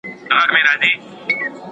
د اګوستین نظریات اوس هم د بحث وړ دي؟